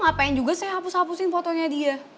ngapain juga saya hapus hapusin fotonya dia